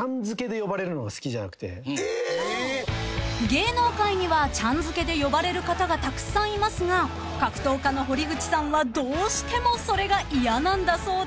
［芸能界にはちゃんづけで呼ばれる方がたくさんいますが格闘家の堀口さんはどうしてもそれが嫌なんだそうで］